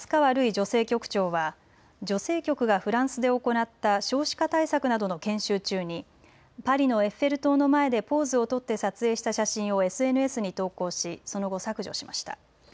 女性局長は女性局がフランスで行った少子化対策などの研修中にパリのエッフェル塔の前でポーズを取って撮影した写真をＳＮＳに投稿しその後、削除しました。